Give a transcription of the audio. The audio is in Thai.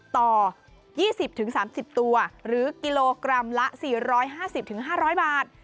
ต่อ๒๐๓๐ตัวหรือกิโลกรัมละ๔๕๐๕๐๐บาท